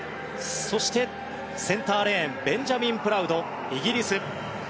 そして、センターレーンベンジャミン・プラウドイギリス。